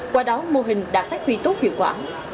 qua đó mô hình đã phát huy tốt hiệu quả